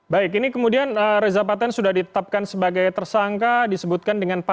baik ini kemudian reza paten sudah ditetapkan sebagai tersangka disebutkan dengan pak